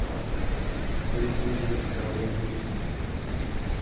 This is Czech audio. Celý svůj život strávil v Modeně.